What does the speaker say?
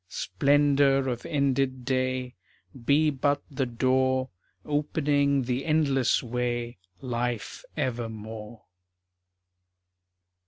Splendor of ended day Be but the door Opening the endless way Life evermore.